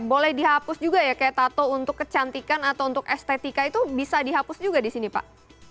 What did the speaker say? boleh dihapus juga ya kayak tato untuk kecantikan atau untuk estetika itu bisa dihapus juga di sini pak